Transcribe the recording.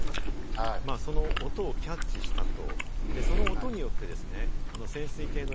その音をキャッチしたと。